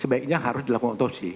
sebaiknya harus dilakukan otopsi